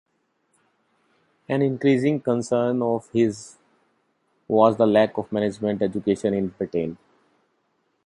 An increasing concern of his was the lack of management education in Britain.